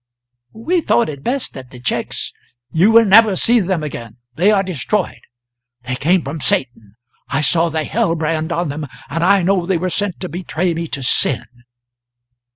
"We thought it best that the cheques " "You will never see them again they are destroyed. They came from Satan. I saw the hell brand on them, and I knew they were sent to betray me to sin."